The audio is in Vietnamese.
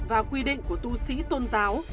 và quy định của tu sĩ tôn giáo